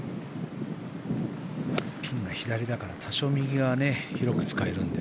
ピンが左だから多少、右は広く使えるので。